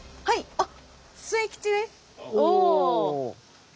あっ。